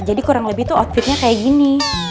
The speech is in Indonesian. jadi kurang lebih tuh outfitnya kayak gini